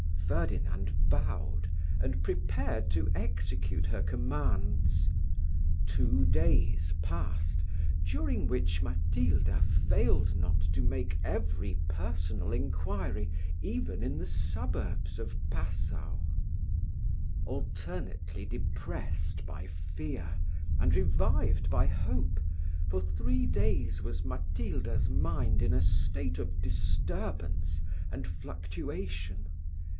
Ferdinand bowed, and prepared to execute her commands. Two days passed, during which Matilda failed not to make every personal inquiry, even in the suburbs of Passau. Alternately depressed by fear, and revived by hope, for three days was Matilda's mind in a state of disturbance and fluctuation.